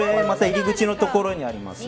入り口のところにあります